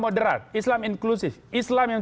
moderat islam inklusif islam yang